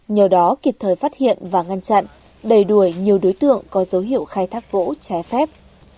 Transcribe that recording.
nhờ đó kịp thời phát hiện và ngăn chặn đẩy đuổi nhiều đối tượng có dấu hiệu khai thác gỗ trái phép